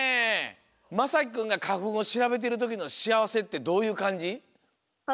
まさきくんがかふんをしらべてるときのしあわせってどういうかんじ？か